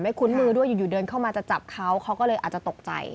คุ้นมือด้วยอยู่เดินเข้ามาจะจับเขาเขาก็เลยอาจจะตกใจ